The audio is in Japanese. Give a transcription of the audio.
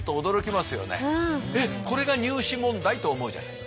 「えっこれが入試問題？」と思うじゃないですか。